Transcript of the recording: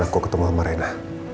nanti aku akan ketemu sama rena